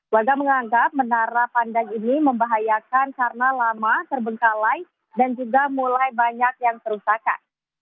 warga menganggap menara pandang ini membahayakan karena lama terbengkalai dan juga mulai banyak yang kerusakan